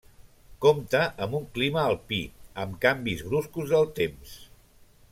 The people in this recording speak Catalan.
Compta amb un clima alpí, amb canvis bruscos del temps.